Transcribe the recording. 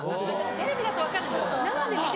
テレビだと分からない